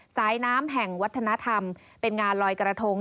สายน้ำแห่งวัฒนธรรมเป็นงานลอยกระทง